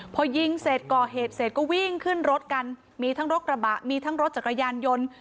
พอยิงเสร็จก่อเหตุเสร็จก็วิ่งขึ้นรถกันมีทั้งรถกระบะมีทั้งรถจักรยานยนต์